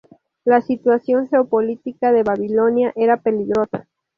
La situación geopolítica de Babilonia era peligrosa.